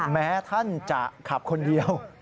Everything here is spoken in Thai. แม้ท่านจะขับคนเดียว